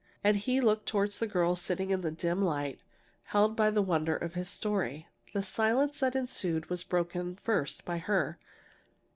And he looked toward the girl sitting in the dim light, held by the wonder of his story. The silence that ensued was broken first by her.